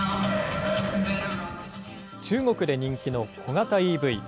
中国で人気の小型ＥＶ。